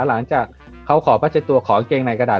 หลังจากเขาขอผ้าเช็ดตัวขอกางเกงในกระดาษ